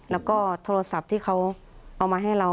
แล้วก็โทรศัพท์ที่เขาเอามาให้เรา